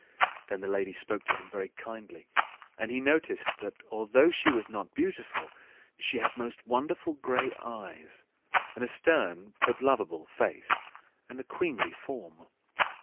Then the lady spoke to him very kindly; and he noticed that, although she was not beautiful, she had most wonderful gray eyes, and a stern but lovable face and a queenly form.